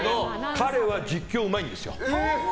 彼は実況うまいんですよ。